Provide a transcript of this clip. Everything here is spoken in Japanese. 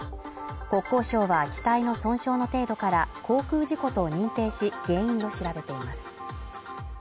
国交省は機体の損傷の程度から航空事故と認定し、原因を調べています。